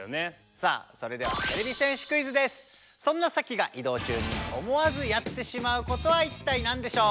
さあそれではそんなサキが移動中に思わずやってしまうことは一体なんでしょう？